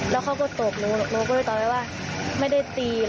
แล้วเขาก็ตบหนูหนูก็เลยตอบไปว่าไม่ได้ตี